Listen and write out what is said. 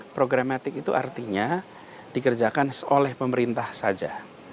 programatik itu artinya dikerjakan oleh pemerintah saja